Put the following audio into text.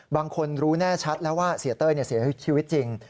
รู้แน่ชัดแล้วว่าเสียเต้ยเสียชีวิตจริง